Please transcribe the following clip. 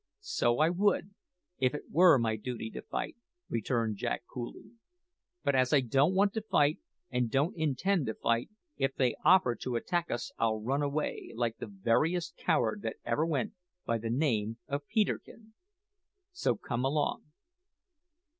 "So I would, if it were my duty to fight," returned Jack coolly; "but as I don't want to fight, and don't intend to fight, if they offer to attack us I'll run away, like the veriest coward that ever went by the name of Peterkin. So come along."